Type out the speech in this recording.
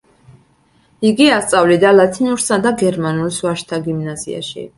იგი ასწავლიდა ლათინურსა და გერმანულს ვაჟთა გიმნაზიაში.